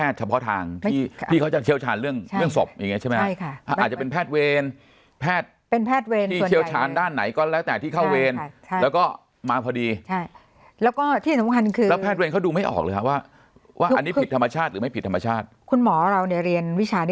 ทำมาชาติหรือไม่ผิดทำมาชาติคุณหมอเราเนี่ยเรียนวิชานี่